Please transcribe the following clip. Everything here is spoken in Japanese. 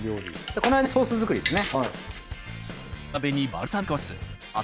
この間にソース作りですね。